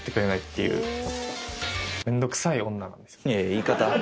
言い方。